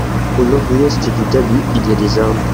Au nord-ouest du talus il y a des arbres.